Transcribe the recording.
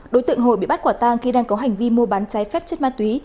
đối tượng hồi bị bắt quả tang khi đang có hành vi mua bán trái phép chất ma túy